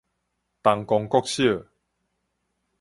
東光國小